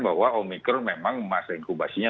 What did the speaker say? bahwa omikron memang masa inkubasinya